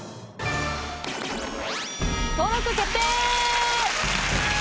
登録決定！